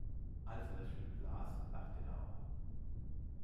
Als er das Stück las, lachte er auch.